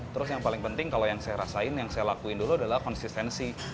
terus yang paling penting kalau yang saya rasain yang saya lakuin dulu adalah konsistensi